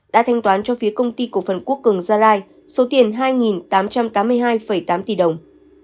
đã thanh toán cho phía công ty cổ phần quốc cường gia lai số tiền hai tám trăm tám mươi hai tám tỷ đồng